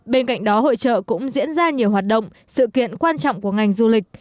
bên cạnh đó hội trợ cũng diễn ra nhiều hoạt động sự kiện quan trọng của ngành du lịch